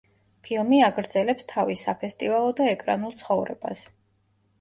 ფილმი აგრძელებს თავის საფესტივალო და ეკრანულ ცხოვრებას.